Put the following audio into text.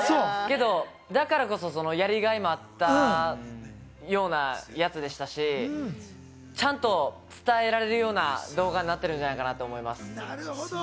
だからこそ、やりがいもあったようなやつでしたし、ちゃんと伝えられるような動画になってるんじゃないかなと思います。